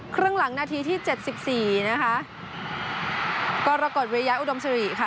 ครึ่งหลังนาทีที่๗๔นะคะก็รากฏวิยายอุดมสรีค่ะ